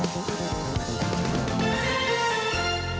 โปรดติดตามตอนต่อไป